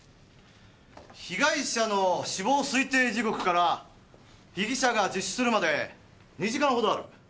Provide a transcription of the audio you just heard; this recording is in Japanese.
被害者の死亡推定時刻から被疑者が自首するまで２時間ほどある。